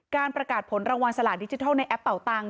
การประกาศผลรางวัลสลากดิจิทัลในแอปเป่าตังค